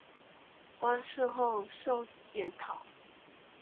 馆试后授检讨。